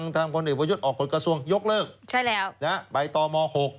ทางกรณีประโยชน์ออกกฎกระทรวงยกเลิกใบต่อมอ๖